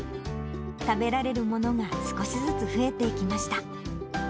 食べられるものが少しずつ増えていきました。